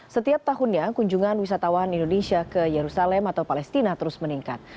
setiap tahunnya kunjungan wisatawan indonesia ke yerusalem atau palestina terus meningkat